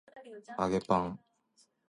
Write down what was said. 揚げパン